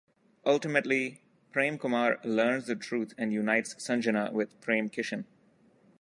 Ultimately, Prem Kumar learns the truth and unites Sanjana with Prem Kishen.